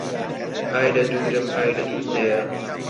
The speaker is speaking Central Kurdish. ئای لە دوورم ئای لە دوور دێیا